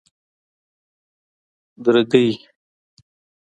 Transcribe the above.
درگۍ